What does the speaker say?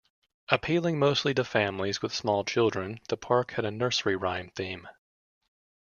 Appealing mostly to families with small children, the park had a nursery rhyme theme.